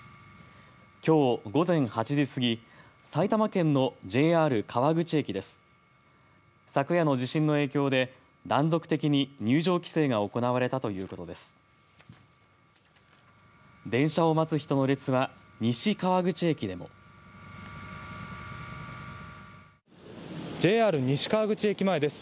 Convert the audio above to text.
きょう午前８時過ぎ埼玉県のＪＲ川口駅です。